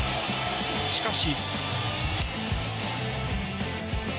しかし。